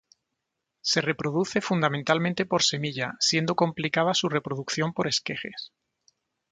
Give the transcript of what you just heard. Se reproduce fundamentalmente por semilla, siendo complicada su reproducción por esquejes.